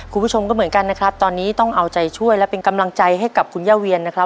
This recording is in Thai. คุณผู้ชมก็เหมือนกันนะครับตอนนี้ต้องเอาใจช่วยและเป็นกำลังใจให้กับคุณย่าเวียนนะครับ